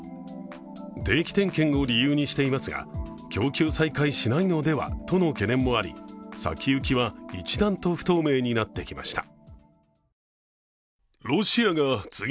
定期点検を理由にしていますが供給再開しないのではとの懸念もあり先行きは一段と不透明になってきました。